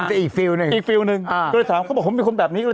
อีกฟิวหนึ่งอีกฟิวหนึ่งอ่าก็เลยถามเขาบอกผมเป็นคนแบบนี้ก็เลย